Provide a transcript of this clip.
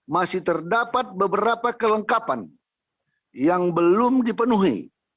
masih terdapat beberapa kelengkapan yang belum dipenuhi